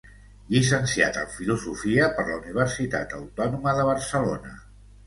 Llicenciat en filosofia per la Universitat Autònoma de Barcelona.